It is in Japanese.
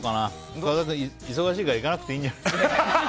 深澤君は忙しいから行かなくていいんじゃない？